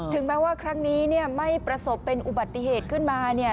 แม้ว่าครั้งนี้เนี่ยไม่ประสบเป็นอุบัติเหตุขึ้นมาเนี่ย